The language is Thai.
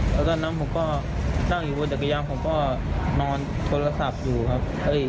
แล้วตอนนั้นผมก็นั่งอยู่บนจักรยานผมก็นอนโทรศัพท์อยู่ครับ